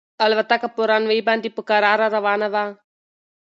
الوتکه په رن وې باندې په کراره روانه وه.